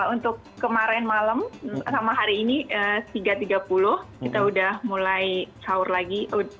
untuk kemarin malam sama hari ini tiga tiga puluh kita udah mulai sahur lagi